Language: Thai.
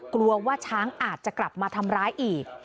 กลัวว่าช้างอาจจะกลับมาทำร้ายอีก